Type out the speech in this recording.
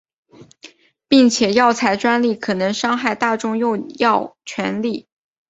并且药材专利可能伤害大众用药权利。